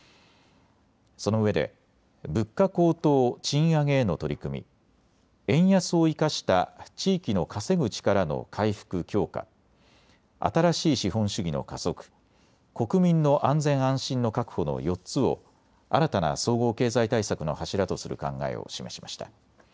そのうえで物価高騰・賃上げへの取り組み、円安を生かした地域の稼ぐ力の回復・強化、新しい資本主義の加速、国民の安全・安心の確保の４つを新たな総合経済対策の柱とする考えを示しました。